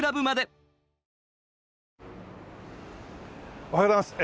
おはようございます。